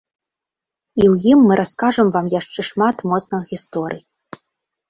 І ў ім мы раскажам вам яшчэ шмат моцных гісторый!